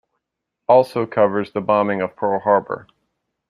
Also covers the bombing of Pearl Harbor.